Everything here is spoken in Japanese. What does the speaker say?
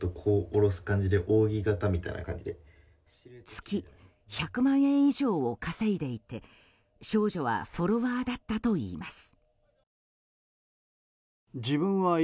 月１００万円以上を稼いでいて少女はフォロワーだったといいます。